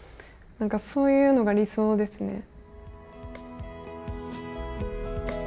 何かそういうのが理想ですね。